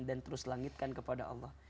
dan terus langitkan kepada allah